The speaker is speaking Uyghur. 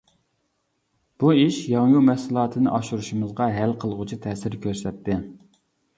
بۇ ئىش ياڭيۇ مەھسۇلاتىنى ئاشۇرۇشىمىزغا ھەل قىلغۇچ تەسىر كۆرسەتتى.